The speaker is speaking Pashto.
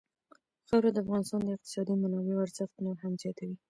خاوره د افغانستان د اقتصادي منابعو ارزښت نور هم زیاتوي.